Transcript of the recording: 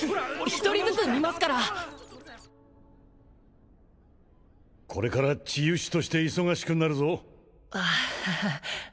一人ずつ診ますからこれから治癒士として忙しくなるぞハハ